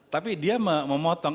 tapi dia memotong